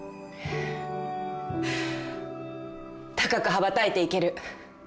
高く羽ばたいていける。